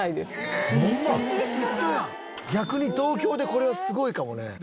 逆に東京でこれはすごいかもね。